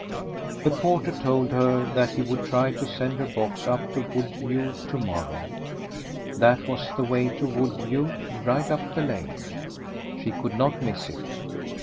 The porter told her that he would try to send her box up to Woodview to morrow.... That was the way to Woodview, right up the lane. She could not miss it.